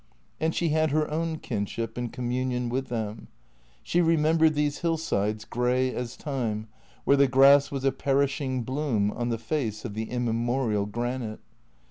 And she had her own kinship and conununion with them. She remembered these hillsides grey as time, where the grass was a perishing bloom on the face of the immemorial granite.